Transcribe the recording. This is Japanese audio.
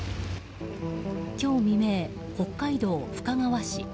今日未明、北海道深川市。